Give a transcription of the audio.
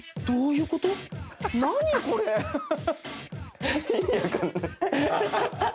ハハハハ。